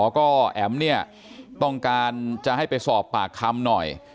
ก็แอ๋มเนี่ยต้องการจะให้ไปสอบปากคำหน่อย